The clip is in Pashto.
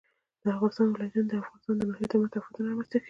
د افغانستان ولايتونه د افغانستان د ناحیو ترمنځ تفاوتونه رامنځ ته کوي.